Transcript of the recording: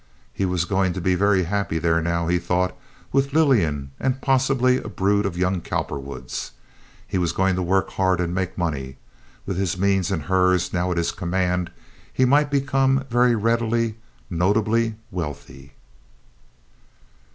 He was going to be very happy there now, he thought, with Lillian and possibly a brood of young Cowperwoods. He was going to work hard and make money. With his means and hers now at his command, he might become, very readily, notably wealthy.